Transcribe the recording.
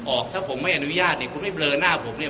ออกถ้าผมไม่อนุญาตเนี่ยคุณไม่เบลอหน้าผมเนี่ย